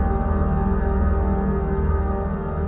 jangan lupa untuk berlangganan